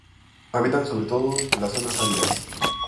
Habitan sobre todo las zonas áridas.